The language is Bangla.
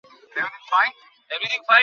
তাহলে এখন কীভাবে রাগ করতে পারি?